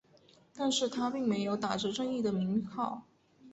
但是他并没有打着正义的名号。